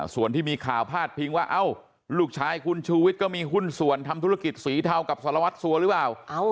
ส่วนที่มีข่าวพาดพิงว่าเอ้าลูกชายคุณชูวิทย์ก็มีหุ้นส่วนทำธุรกิจสีเทากับสารวัตรสัวหรือเปล่า